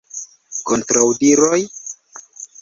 Kontraŭdiroj?